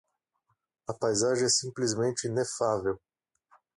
A paisagem é simplesmente inefável.